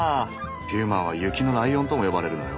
ピューマは雪のライオンとも呼ばれるのよ。